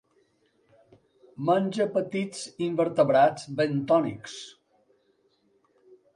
Menja petits invertebrats bentònics.